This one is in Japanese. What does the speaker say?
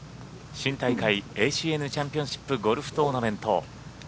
新大会ＡＣＮチャンピオンシップゴルフトーナメント。